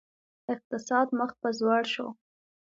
اقتصاد مخ په ځوړ شو